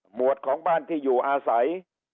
วดของบ้านที่อยู่อาศัย